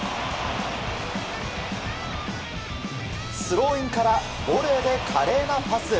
スローインからボレーで華麗なパス。